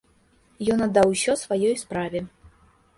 Ён аддаў усё сваёй справе.